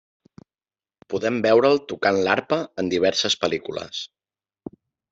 Podem veure'l tocant l'arpa en diverses pel·lícules.